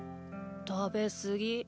たべすぎ？